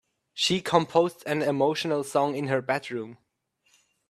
She composed an emotional song in her bedroom.